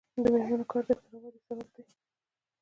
د میرمنو کار د اختراع ودې سبب دی.